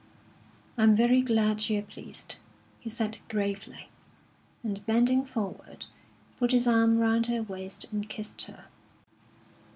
"I'm very glad you are pleased," he said gravely, and bending forward, put his arm round her waist and kissed her.